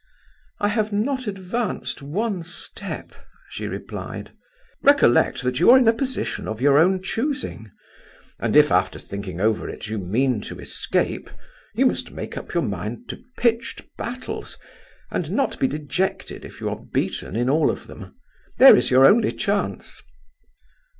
"I have not advanced one step," she replied. "Recollect that you are in a position of your own choosing; and if, after thinking over it, you mean to escape, you must make up your mind to pitched battles, and not be dejected if you are beaten in all of them; there is your only chance."